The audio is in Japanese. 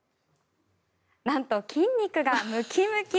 なんと、筋肉がムキムキ！